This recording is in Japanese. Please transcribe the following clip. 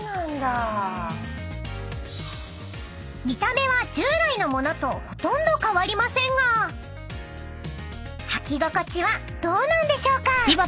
［見た目は従来の物とほとんど変わりませんが履き心地はどうなんでしょうか？］